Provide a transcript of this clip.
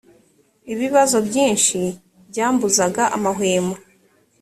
ibibazo byinshi byambuzaga amahwemo